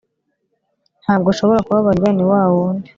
ntabwo ashobora kubabarira. ni wa wundi